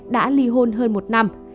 đã ly hôn hơn một năm